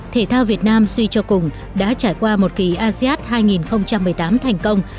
thể thao việt nam suy cho cùng đã trải qua một kỳ asean hai nghìn một mươi tám thành công